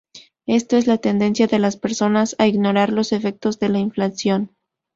Esto es la tendencia de las personas a ignorar los efectos de la inflación.